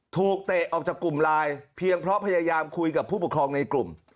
เตะออกจากกลุ่มไลน์เพียงเพราะพยายามคุยกับผู้ปกครองในกลุ่ม